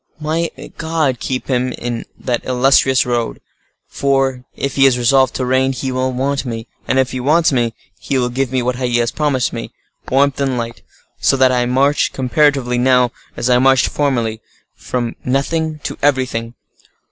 May God keep him in that illustrious road! For, if he is resolved to reign, he will want me; and if he wants me, he will give me what he has promised me—warmth and light; so that I march, comparatively, now, as I marched formerly,—from nothing to everything.